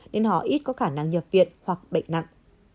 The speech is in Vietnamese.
nên họ ít có khả năng nhập viện hoặc bệnh nặng